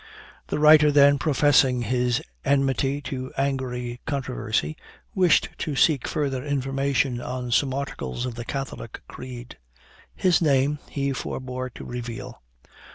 The writer then professing his enmity to angry controversy, wished to seek further information on some articles of the Catholic creed. His name he forbore to reveal.